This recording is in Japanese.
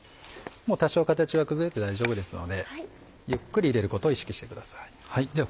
もう多少形は崩れて大丈夫ですのでゆっくり入れることを意識してください。